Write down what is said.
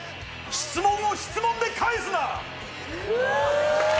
質問を質問で返すな！